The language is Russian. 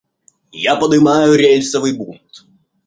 Я подымаю рельсовый бунт.